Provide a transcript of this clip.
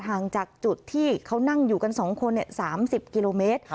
ฮาร์นทางจากจุดที่เขานั่งอยู่กัน๒คนเนี่ย๓๐กิโลเมตร